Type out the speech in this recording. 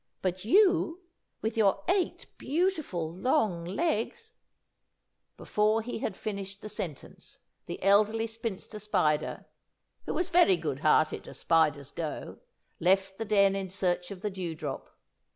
But you, with your eight beautiful, long legs " Before he had finished the sentence, the Elderly Spinster Spider who was very good hearted, as Spiders go left the den in search of the dew drop.